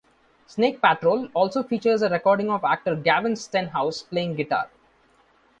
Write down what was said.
"Snake Patrol" also features a recording of actor Gavin Stenhouse playing guitar.